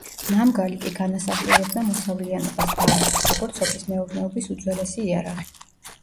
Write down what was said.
ნამგალი კი განასახიერებდა მოსავლიანობას, ბარაქას, როგორც სოფლის მეურნეობის უძველესი იარაღი.